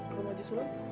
ke rumah haji sulam